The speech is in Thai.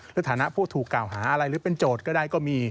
ฐานะผู้ถูกกล่าวหาอะไรหรือเป็นโจทย์ก็ได้ก็มี